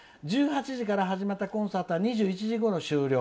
１８時から始まったコンサートは２１時ごろ終了。